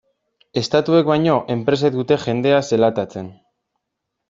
Estatuek baino, enpresek dute jendea zelatatzen.